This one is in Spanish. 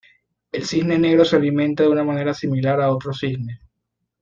El Cisne Negro se alimenta de una manera similar a otros cisnes.